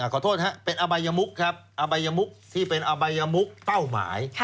ขอโทษครับเป็นอบายมุกครับอบัยมุกที่เป็นอบายมุกเป้าหมาย